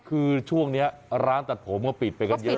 คือช่วงนี้ร้านตัดผมก็ปิดไปกันเยอะ